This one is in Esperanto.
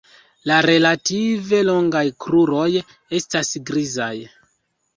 La relative longaj kruroj estas grizaj.